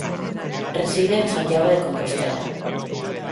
Reside en Santiago de Compostela